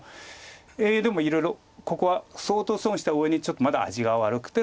でもいろいろここは相当損したうえにちょっとまだ味が悪くて。